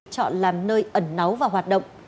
chọn làm nơi ẩn náu và hoạt động